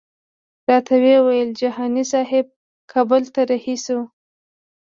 راته ویې ویل جهاني صاحب کابل ته رهي شوی.